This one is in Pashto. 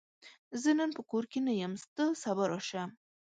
زه نن په کور کې نه یم، ته سبا راشه!